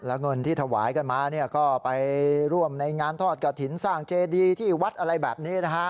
แล้วเงินที่ถวายกันมาก็ไปร่วมในงานทอดกระถิ่นสร้างเจดีที่วัดอะไรแบบนี้นะฮะ